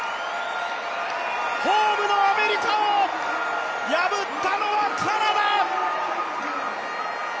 ホームのアメリカを破ったのはカナダ。